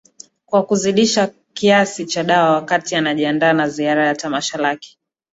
Kwa kuzidisha kiasi cha dawa wakati anajiandaa na ziara ya tamasha lake